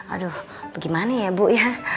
aduh gimana ya bu ya